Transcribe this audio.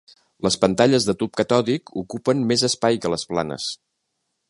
Les pantalles de tub catòdic ocupen més espai que les planes.